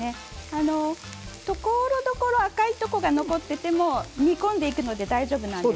ところどころ赤いところが残っていても煮込んでいくので大丈夫です。